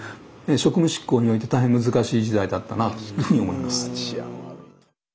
職務執行において大変難しい時代だったなというふうに思います。